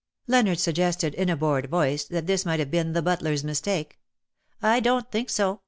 Leonard suggested in a bored voice that this might have been the butler^s mistake. "I don^t think so.